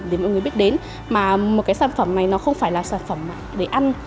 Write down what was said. để mọi người biết đến mà một cái sản phẩm này nó không phải là sản phẩm để ăn